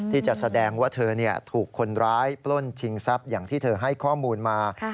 ที่จะแสดงว่าเธอถูกคนร้ายปล้นชิงทรัพย์อย่างที่เธอให้ข้อมูลมา